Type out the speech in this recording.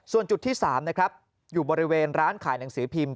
ส่วนจุดที่๓นะครับอยู่บริเวณร้านขายหนังสือพิมพ์